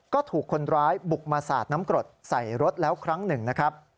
ก็ถูกคนร้ายบุกมาสาดน้ำกรดใส่รถแล้วครั้งหนึ่งนะครับ